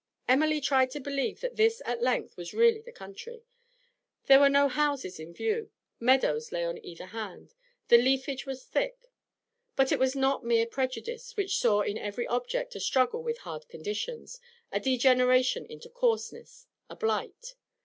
Emily tried to believe that this at length was really the country; there were no houses in view, meadows lay on either hand, the leafage was thick. But it was not mere prejudice which saw in every object a struggle with hard conditions, a degeneration into coarseness, a blight.